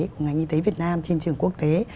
của ngành y tế việt nam trên trường quốc tế